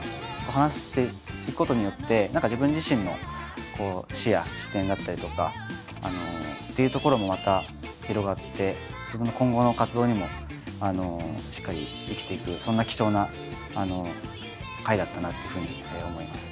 話していくことによって何か自分自身の視野視点だったりとかっていうところもまた広がって自分の今後の活動にもしっかり生きていくそんな貴重な回だったなっていうふうに思いますね。